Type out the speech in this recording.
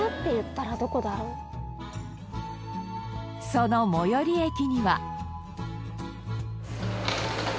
その最寄り駅には。